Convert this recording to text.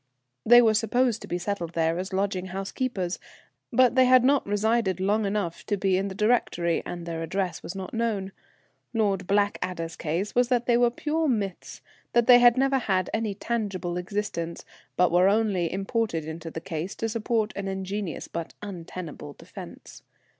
They were supposed to be settled there as lodging house keepers, but they had not resided long enough to be in the Directory, and their address was not known. Lord Blackadder's case was that they were pure myths, they had never had any tangible existence, but were only imported into the case to support an ingenious but untenable defence.